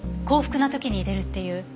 幸福な時に出るっていう。